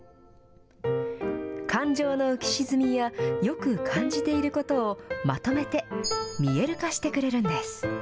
感情の浮き沈みやよく感じていることを、まとめて見える化してくれるんです。